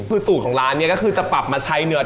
คือสูตรของร้านนี้ก็คือจะปรับมาใช้เนื้อ